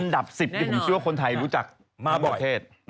อันดับ๑๐ที่ผมเชื่อว่าคนไทยรู้จักมากเบาะเทศ